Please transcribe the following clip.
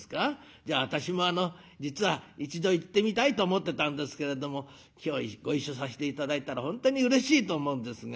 じゃあ私もあの実は一度行ってみたいと思ってたんですけれども今日ご一緒させて頂いたら本当にうれしいと思うんですが」。